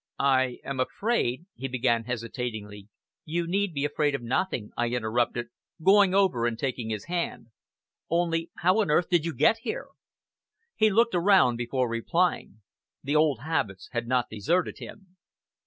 "I am afraid " he began hesitatingly. "You need be afraid of nothing," I interrupted, going over and taking his hand. "Only how on earth did you get here?" He looked around before replying. The old habits had not deserted him.